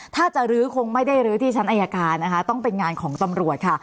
ถ้าจะลื้อคงไม่ได้ลื้อที่ชั้นอายการนะคะต้องเป็นงานของตำรวจค่ะ